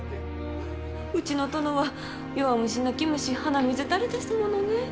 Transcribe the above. うちの殿は弱虫泣き虫鼻水垂れですものね。